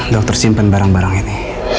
dokter simpen barang barang ini